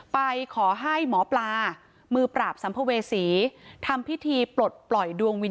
ไปขอให้หมอปลามือปราบสัมพเวศี